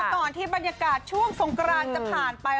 ก่อนที่บรรยากาศช่วงสงกรานจะผ่านไป